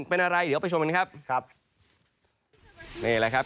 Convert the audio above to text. เป็นอะไรเดี๋ยวไปชมกันนะครับ